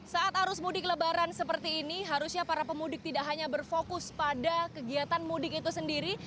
saat arus mudik lebaran seperti ini harusnya para pemudik tidak hanya berfokus pada kegiatan mudik itu sendiri